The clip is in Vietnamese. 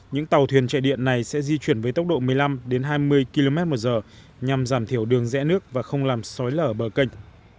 những tàu thuyền chạy điện này sẽ di chuyển với tốc độ một mươi năm hai mươi km một giờ nhằm giảm thiểu đường rẽ nước và không làm sói lở bờ kênh